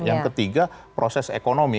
yang ketiga proses ekonomi